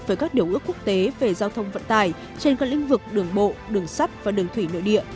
với các điều ước quốc tế về giao thông vận tải trên các lĩnh vực đường bộ đường sắt và đường thủy nội địa